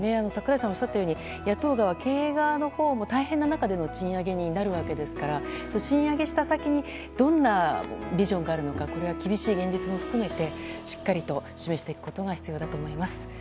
櫻井さんがおっしゃったように野党側の経営側のほうは大変な中での賃上げになるわけですから賃上げした先にどんなビジョンがあるのかこれは厳しい現実も含めてしっかりと示していくことが必要だと思います。